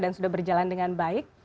dan sudah berjalan dengan baik